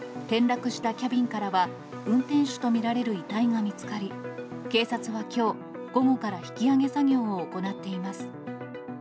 転落したキャビンからは、運転手と見られる遺体が見つかり、警察はきょう、午後から引き上げ作業を行っています。